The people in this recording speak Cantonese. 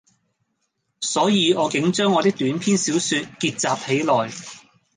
所以我竟將我的短篇小說結集起來，